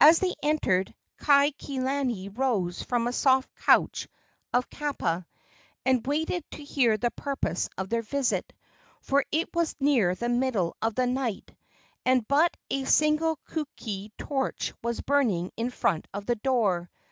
As they entered, Kaikilani rose from a soft couch of kapa, and waited to hear the purpose of their visit; for it was near the middle of the night, and but a single kukui torch was burning in front of the door.